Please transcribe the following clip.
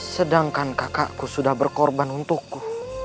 sedangkan kakakku sudah berkorban untukku